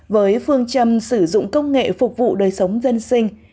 với phương châm sử dụng công nghệ phục vụ đời sống dân sinh